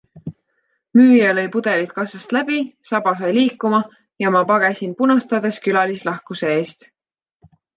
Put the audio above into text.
Müüja lõi pudelid kassast läbi, saba sai liikuma ja ma pagesin punastades külalislahkuse eest.